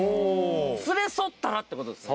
連れ添ったらってことですね